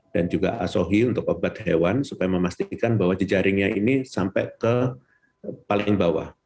dan juga asohi untuk obat hewan supaya memastikan bahwa jejaringnya ini sampai ke paling bawah